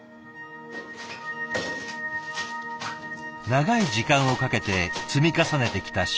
長い時間をかけて積み重ねてきた修復作業。